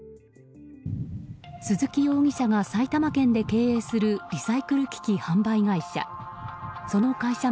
鈴木容疑者が埼玉県で経営するリサイクル機器販売会社。